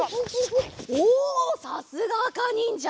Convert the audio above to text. おおさすがあかにんじゃ。